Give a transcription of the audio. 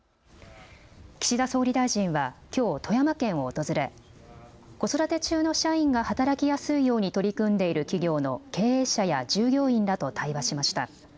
岸田総理大臣はきょう富山県を訪れ子育て中の社員が働きやすいように取り組んでいる企業の経営者や従業員らと対話しました。